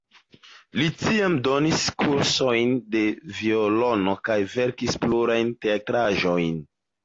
Li tiam donis kursojn de violono kaj verkis plurajn teatraĵojn.